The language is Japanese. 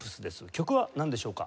曲はなんでしょうか？